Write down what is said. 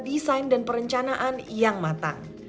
desain dan perencanaan yang matang